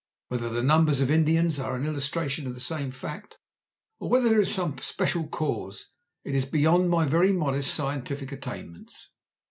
Whether the numbers of the Indians are an illustration of the same fact, or whether there is some special cause, is beyond my very modest scientific attainments.